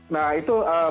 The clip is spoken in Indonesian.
nah itu berikutnya